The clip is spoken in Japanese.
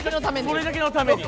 それだけのために。